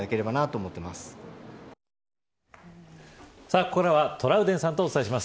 ここではトラウデンさんとお伝えします。